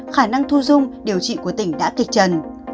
khả năng thu dung điều trị của tỉnh đã kịch trần